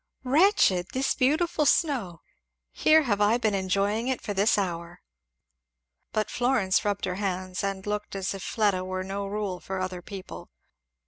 "Wretched! This beautiful snow! Here have I been enjoying it for this hour." But Florence rubbed her hands and looked as if Fleda were no rule for other people.